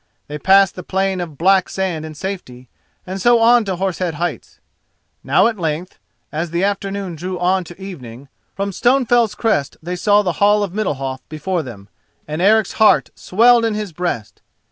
They passed the plain of black sand in safety, and so on to Horse Head Heights. Now at length, as the afternoon drew on to evening, from Stonefell's crest they saw the Hall of Middalhof before them, and Eric's heart swelled in his breast.